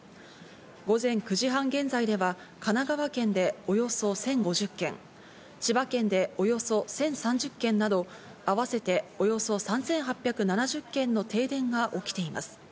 午前９時半現在では神奈川県でおよそ１０５０軒、千葉県でおよそ１０３０軒など、あわせておよそ３８７０軒の停電が起きています。